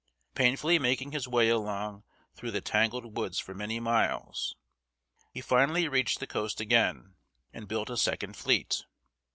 Painfully making his way along through the tangled woods for many miles, he finally reached the coast again and built a second fleet.